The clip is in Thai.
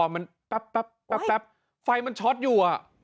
มันแป๊บไฟมันช็อตอยู่